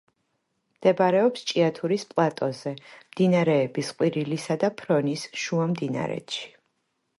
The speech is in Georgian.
მდებარეობს ჭიათურის პლატოზე, მდინარეების ყვირილისა და ფრონის შუამდინარეთში.